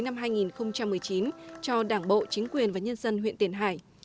năm hai nghìn một mươi chín cho đảng bộ chính quyền và nhân dân huyện tiền hải